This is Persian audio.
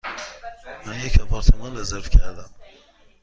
من یک آپارتمان رزرو کردم.